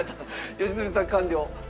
良純さん完了。